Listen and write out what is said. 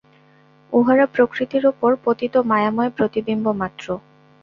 উহারা প্রকৃতির উপর পতিত মায়াময় প্রতিবিম্ব মাত্র।